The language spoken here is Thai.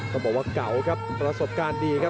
ต้องบอกว่าเก่าครับประสบการณ์ดีครับ